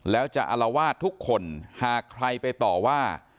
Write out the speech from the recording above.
แล้วจะอารวาสทุกคนหากใครไปต่อว่า